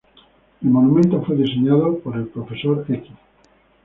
El monumento fue diseñado por el Prof.